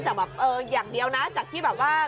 แต่แบบเอออย่างเดียวนะจากที่แบบว่า